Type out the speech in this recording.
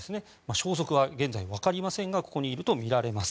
消息は現在分かりませんがここにいるとみられます。